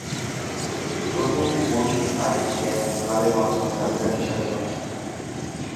প্রথম ODI cap লাভের মাধ্যমে তালিকাটি সাজানো হয়েছে।